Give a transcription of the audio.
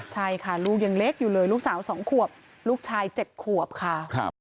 ใช่ค่ะลูกยังเล็กอยู่เลยลูกสาว๒ขวบลูกชาย๗ขวบค่ะ